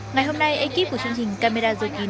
ngày hôm nay ekip của chương trình camera dồi kín